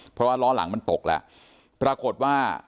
เพราะว่าล้อหลังมันตกแล้ว